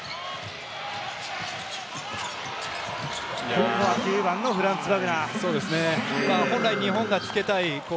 ここはフランツ・バグナー。